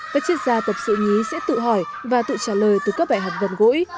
các triết gia tập sự nhí sẽ tự hỏi và tự trả lời từ các bài học gần gũi